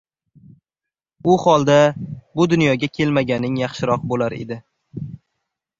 U holda bu dunyoga kelmaganing yaxshiroq bo‘lar edi.